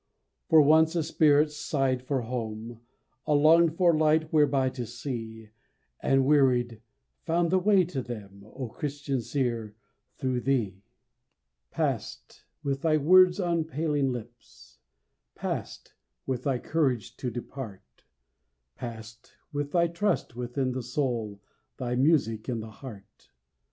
For once a spirit "sighed for home," A "longed for light whereby to see," And "wearied," found the way to them, O Christian seer, through thee! Passed with thy words on paling lips, Passed with thy courage to depart; Passed with thy trust within the soul, Thy music in the heart.